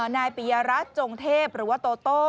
นายปิยรัฐจงเทพหรือว่าโตโต้